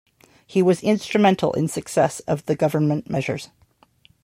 He was instrumental in success of the government measures.